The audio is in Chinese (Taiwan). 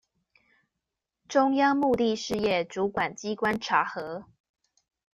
中央目的事業主管機關查核